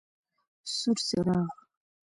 سور څراغ: